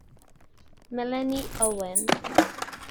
Melanie Owen